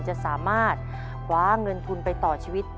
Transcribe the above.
จะสามารถคว้าเงินทุนไปต่อชีวิต